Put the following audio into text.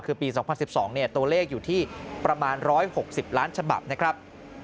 คือปี๒๐๑๒ตัวเลขอยู่ที่ประมาณ๑๖๐ล้านฉบับนะครับ